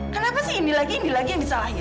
kenapa sih indi lagi ini lagi yang disalahin